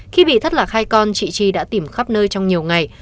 khi bị thất lạc hai con chị chi đã tìm khắp nơi trong nhiều ngày